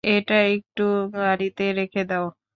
এটা একটু গাড়িতে রেখে দাও।